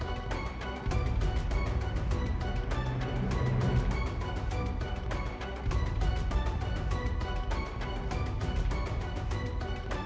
phú cao nói